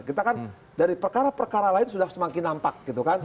kita kan dari perkara perkara lain sudah semakin nampak gitu kan